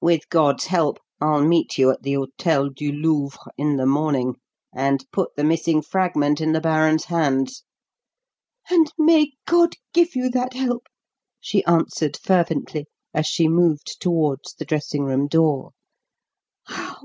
With God's help, I'll meet you at the Hôtel du Louvre in the morning, and put the missing fragment in the baron's hands." "And may God give you that help!" she answered fervently as she moved towards the dressing room door.